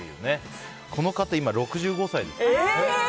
この方、今６５歳ですから。